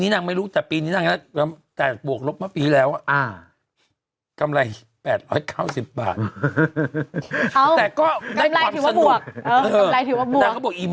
นางก็บอกอีอิมสกูไม่มีหัวก็ให้ได้แซวอย่างอื่น